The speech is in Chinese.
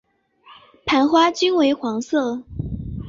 盘花均为黄色。